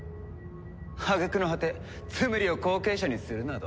揚げ句の果てツムリを後継者にするなど。